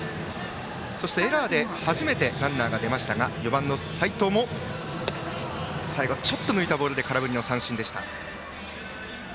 そしてエラーで初めてランナーが出ましたが４番、齋藤も最後、ちょっと抜いたボールで空振り三振でした。